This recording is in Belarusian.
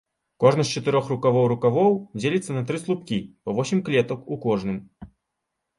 Кожны з чатырох рукавоў рукавоў дзеліцца на тры слупкі, па восем клетак у кожным.